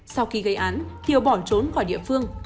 sau khi gây án kiều bỏ trốn khỏi địa phương